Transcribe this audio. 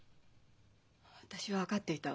私は分かっていたわ。